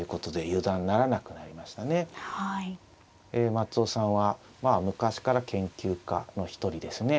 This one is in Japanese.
松尾さんはまあ昔から研究家の一人ですね。